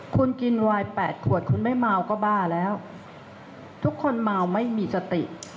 คุณกินวาย๘ขวดคุณไม่เมาก็บ้าแล้วทุกคนเมาไม่มีสติ